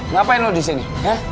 ngapain lu di sini